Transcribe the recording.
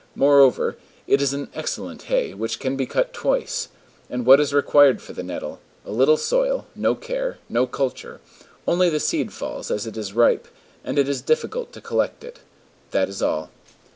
Moreover, it is an excellent hay, which can be cut twice. And what is required for the nettle? A little soil, no care, no culture. Only the seed falls as it is ripe, and it is difficult to collect it. That is all.